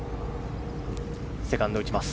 セカンドを打ちます。